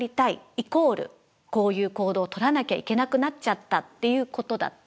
イコールこういう行動をとらなきゃいけなくなっちゃったっていうことだった。